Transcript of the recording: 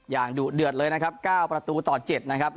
ดุเดือดเลยนะครับ๙ประตูต่อ๗นะครับ